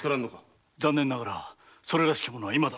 残念ながらそれらしきものはいまだ。